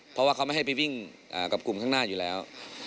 เพราะว่าเขาไม่ให้ไปวิ่งกับกลุ่มข้างหน้าอยู่แล้ว